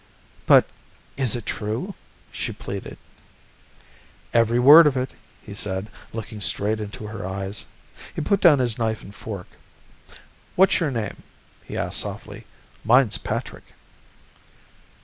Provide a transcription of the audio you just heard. "But it is true?" she pleaded. "Every word of it," he said, looking straight into her eyes. He put down his knife and fork. "What's your name?" he asked softly. "Mine's Patrick."